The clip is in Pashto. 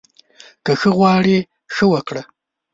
که ښه غواړې، ښه وکړه